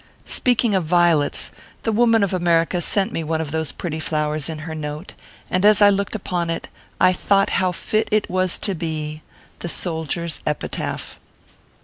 Speaking of violets ; the woman of America sent one of those pretty flowers in her note ; and, as I looked upon it, I thought how fit it was to be 330 ORPHEUS C. KERR PAPERS. THE SOLDIER S EPITAPH.